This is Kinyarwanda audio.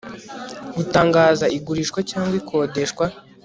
gutangaza igurishwa cyangwa ikodeshwa